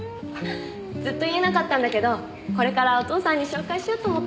ずっと言えなかったんだけどこれからお父さんに紹介しようと思って。